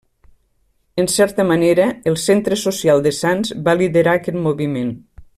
En certa manera, el Centre Social de Sants va liderar aquest moviment.